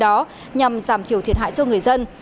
đó nhằm giảm thiểu thiệt hại cho người dân